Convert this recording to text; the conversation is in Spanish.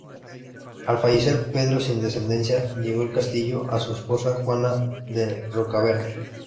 Al fallecer Pedro sin descendencia, dejó el castillo a su esposa Juana de Rocabertí.